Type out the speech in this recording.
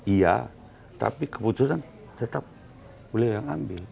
iya tapi keputusan tetap beliau yang ambil